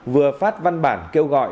vừa phát văn bản kêu gọi